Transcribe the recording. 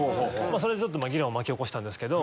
それで議論を巻き起こしたんですけど。